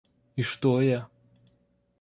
И что я?